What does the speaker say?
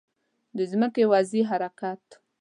د ځمکې وضعي حرکت